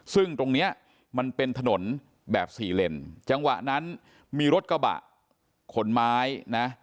ซึ่งตรงเนี้ยมันเป็นถนนแบบสี่เลนจังหวะนั้นมีรถกระบะขนไม้นะ